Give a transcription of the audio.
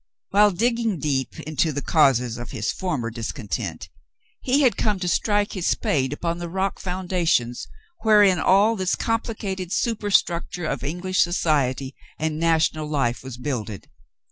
While digging deep into the causes of his former dis content, he had come to strike his spade upon the rock foundations whereon all this complicated superstructure of English society and national life was builded.